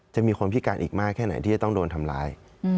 จะมีคนพิการอีกมากแค่ไหนที่จะต้องโดนทำร้าย